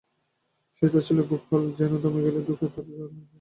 সে-তাচ্ছিল্যে গোপাল যেন দমে গেল, দুঃখে তার চোখে জল এল।